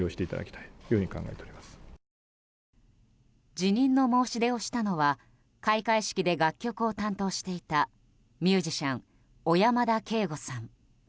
辞任の申し出をしたのは開会式で楽曲を担当していたミュージシャン小山田圭吾さん。